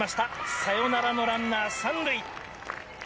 サヨナラのランナー３塁。